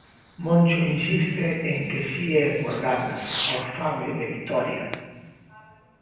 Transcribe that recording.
Moncho insiste en que si é por ganas, por fame de vitoria...